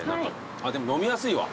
でも飲みやすいわ。